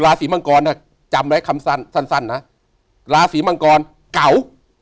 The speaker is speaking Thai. ราศีมังกรจำไว้คำสั้นนะราศีมังกรเก่า